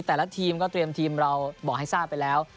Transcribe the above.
แต่ละทีมก็เตรียมทีมเราบอกให้ทราบไปแล้ว